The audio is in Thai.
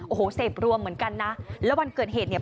โอ้โหเสพรวมเหมือนกันนะแล้ววันเกิดเหตุเนี่ย